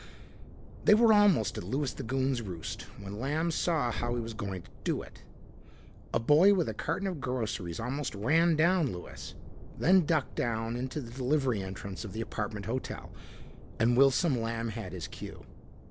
They were almost at Louis the Goon's roost when Lamb saw how he was going to do it. A boy with a carton of groceries almost ran down Louis, then ducked down into the delivery entrance of the apartment hotel. And Wilson Lamb had his cue.